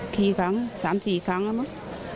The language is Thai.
กี่ครั้ง๓๔ครั้งแล้วมั้ง